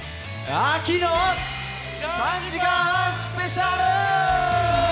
秋の３時間半スペシャル！